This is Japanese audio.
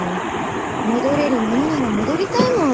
戻れるものなら戻りたいもん。